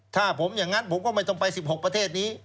ถ้าผมอย่างนั้นผมก็ไม่ต้องไป๑๖ประเทศนี้